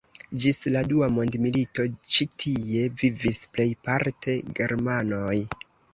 Ĝis la dua mondmilito ĉi tie vivis plejparte germanoj.